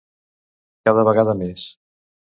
Cada vegada més.